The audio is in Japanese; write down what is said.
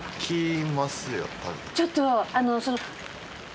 ちょっとあのその。